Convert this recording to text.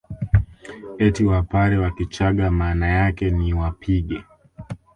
Eti Wapare kwa Kichagga maana yake ni wapige